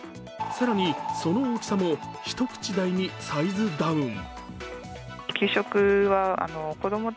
更に、その大きさも一口大にサイズダウン。